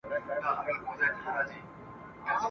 د آزادۍ ورځ بايد په خوښۍ تېره سي.